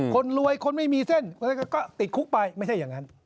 คนรวยคนไม่มีเส้นก็ติดคุกไปไม่ใช่อย่างนั้น